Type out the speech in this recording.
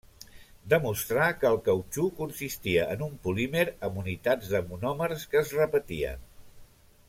Demostrà que el cautxú consistia en un polímer amb unitats de monòmers que es repetien.